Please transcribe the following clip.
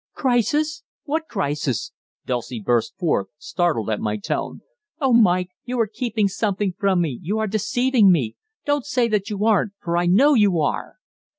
"Crisis? What crisis?" Dulcie burst forth, startled at my tone. "Oh, Mike, you are keeping something from me, you are deceiving me don't say that you aren't, for I know you are!"